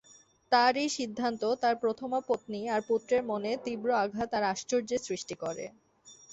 তাঁর এই সিদ্ধান্ত তাঁর প্রথমা পত্নী আর পুত্রের মনে তীব্র আঘাত আর আশ্চর্যের সৃষ্টি করে।